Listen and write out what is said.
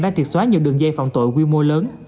đã triệt xóa nhiều đường dây phạm tội quy mô lớn